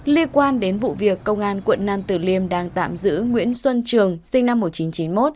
liên quan đến vụ việc công an quận nam tử liêm đang tạm giữ nguyễn xuân trường sinh năm một nghìn chín trăm chín mươi một